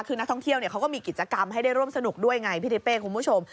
คือนักท่องเที่ยวเขาก็มีกิจกรรมให้ได้ร่วมสนุกด้วยไงพี่ทิเป้คุณผู้ชม